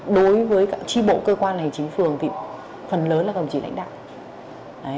đối với tri bộ cơ quan này chính phường phần lớn là gồng chỉ lãnh đạo